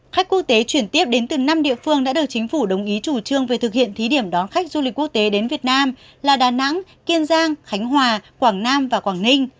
khách quốc tế chuyển tiếp đến từ năm địa phương đã được chính phủ đồng ý chủ trương về thực hiện thí điểm đón khách du lịch quốc tế đến việt nam là đà nẵng kiên giang khánh hòa quảng nam và quảng ninh